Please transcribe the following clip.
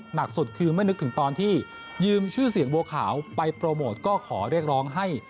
หนักสุดคือไม่นึกถึงตอนที่ยืมชื่อเสียงบัวขาวไปโปรโมทก็ขอเรียกร้องให้